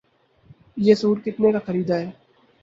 یہ سوٹ کتنے کا خریدا ہے؟